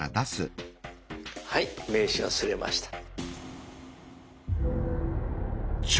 はい名刺が刷れました。